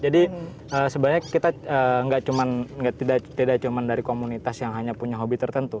jadi sebenarnya kita tidak cuma dari komunitas yang punya hobi tertentu